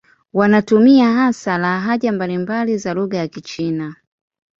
Wanatumia hasa lahaja mbalimbali za lugha ya Kichina.